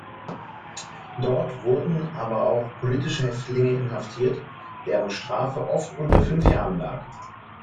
Dort wurden aber auch politische Häftlinge inhaftiert, deren Strafe oft unter fünf Jahren lag.